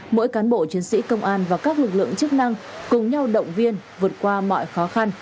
mỗi cán bộ chiến sĩ công an và các lực lượng chức năng cùng nhau động viên vượt qua mọi khó khăn